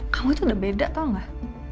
kamu itu udah beda tau gak